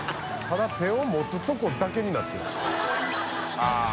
ただ手を持つとこだけになってる。